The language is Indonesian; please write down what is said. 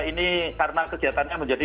ini karena kesehatannya menjadi